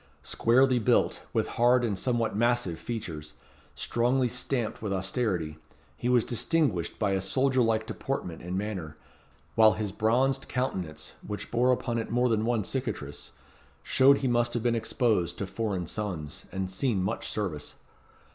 Squarely built, with hard and somewhat massive features, strongly stamped with austerity, he was distinguished by a soldier like deportment and manner, while his bronzed countenance, which bore upon it more than one cicatrice, showed he must have been exposed to foreign suns, and seen much service.